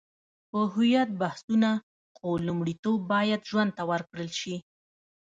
په هویت بحثونه، خو لومړیتوب باید ژوند ته ورکړل شي.